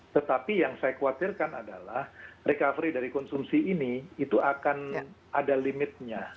tetapi yang saya khawatirkan adalah recovery dari konsumsi ini itu akan ada limitnya